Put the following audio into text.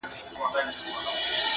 غلامي مي دا یوه شېبه رخصت کړه،